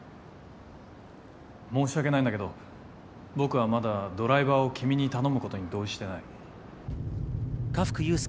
申しわけないんだけど、僕はまだドライバーを君に頼むことに同意していない。